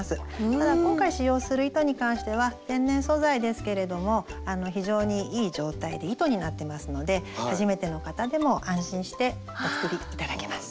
ただ今回使用する糸に関しては天然素材ですけれども非常にいい状態で糸になってますので初めての方でも安心してお作り頂けます。